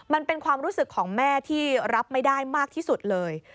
มันเป็นความรู้สึกของแม่ที่รับไม่ได้มากที่สุดเลย